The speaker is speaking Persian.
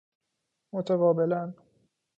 متقابلاً